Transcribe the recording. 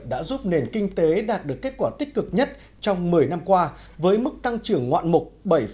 đã giúp nền kinh tế đạt được kết quả tích cực nhất trong một mươi năm qua với mức tăng trưởng ngoạn mục bảy tám